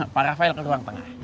pak rafael ke ruang tengah